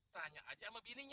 tanya aja sama bininya